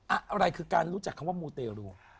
อะไรคือการรู้จักคำว่ามูเตรู